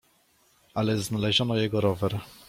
"Ale znaleziono jego rower."